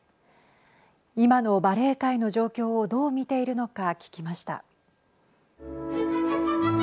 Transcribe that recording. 今のバレエ界の状況をどう見ているのか聞きました。